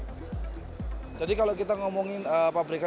berapa mobil asal tiongkok mengungguli mobil asal jepang di berbagai ajang penghargaan